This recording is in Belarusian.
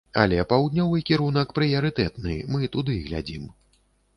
Але паўднёвы кірунак прыярытэтны, мы туды глядзім.